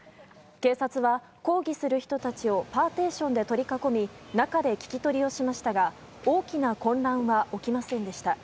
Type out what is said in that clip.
警察は抗議する人たちをパーテーションで取り囲み中で聞き取りをしましたが大きな混乱は起きませんでした。